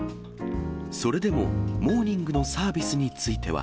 それでもモーニングのサービスについては。